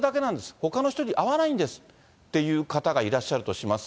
ほかの人に会わないんですという方がいらっしゃるとします。